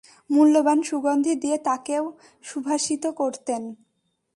মূল্যবান সুগন্ধি দিয়ে তাকে সুভাসিত করতেন।